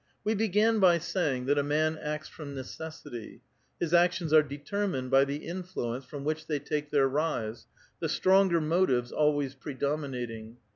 We began by saying that a man acts from necessity ; his actions are determined by the influences from which they take their rise, the stronger motives always predominating.